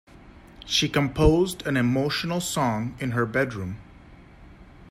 She composed an emotional song in her bedroom.